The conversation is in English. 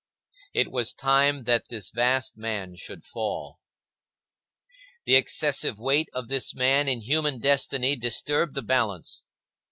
It was time that this vast man should fall. The excessive weight of this man in human destiny disturbed the balance.